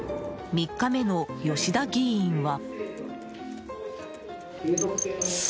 ３日目の吉田議員は。